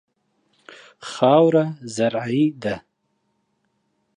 خاوره زرعي ده.